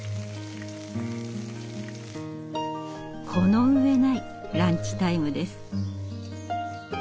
この上ないランチタイムです。